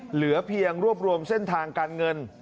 เหลือเพียงรวบรวมเส้นทางการเงิน